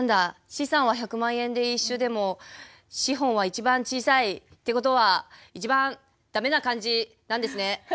資産は１００万円で一緒でも資本は一番小さい。って事は一番駄目な感じなんですね。